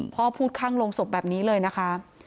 พ่อพูดข้างโรงศพแบบนี้เลยนะคะ